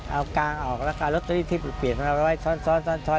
เอากางออกแล้วก็รสตรีที่เปียกเอาไว้ช้อน